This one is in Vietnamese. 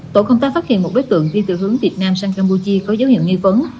tổ công tác phát hiện một đối tượng đi từ hướng việt nam sang campuchia có dấu hiệu nghi vấn